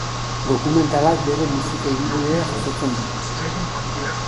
Dokumentalak bere musika ibilbidea jasotzen du.